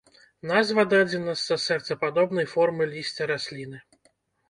Назва дадзена з-за сэрцападобнай формы лісця расліны.